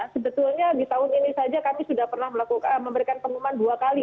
sebetulnya di tahun ini saja kami sudah pernah memberikan pengumuman dua kali